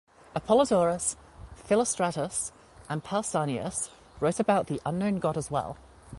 Apollodorus, Philostratus and Pausanias wrote about the Unknown God as well.